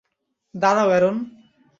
দাঁড়াও, অ্যারন।